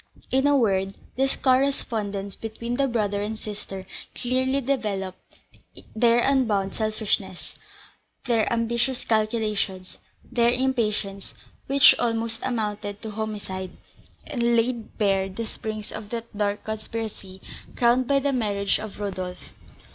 In a word, this correspondence between the brother and sister clearly developed their unbounded selfishness, their ambitious calculations, their impatience, which almost amounted to homicide, and laid bare the springs of that dark conspiracy crowned by the marriage of Rodolph.